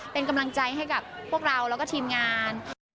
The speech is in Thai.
เป็นกำลังใจให้กับพวกเราแล้วก็ทีมงาน